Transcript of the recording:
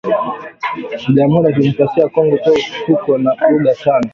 Mu jamhuri ya kidemocrasia ya kongo tuko na luga tano